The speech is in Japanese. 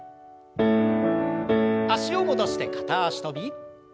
脚を戻して片脚跳び。